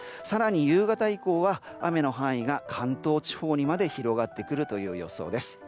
更に夕方以降は雨の範囲が関東地方にまで広がってくるという予想です。